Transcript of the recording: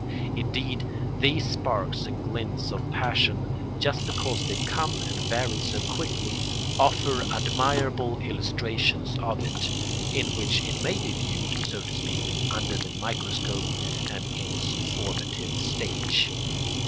Indeed these sparks and glints of passion, just because they come and vary so quickly, offer admirable illustrations of it, in which it may be viewed, so to speak, under the microscope and in its formative stage.